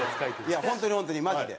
いやホントにホントにマジで。